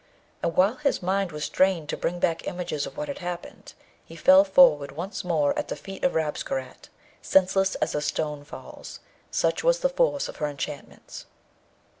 And while his mind was straining to bring back images of what had happened, he fell forward once more at the feet of Rabesqurat, senseless as a stone falls; such was the force of her enchantments.